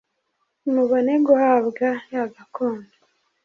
Mubone guhabwa ya gakondo